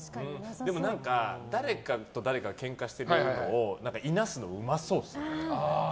でも、誰かと誰かがけんかしてるのとかをいなすのうまそうですよね。